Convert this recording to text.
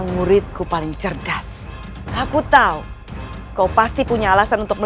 nih mas sepertinya kita harus menghadapi mereka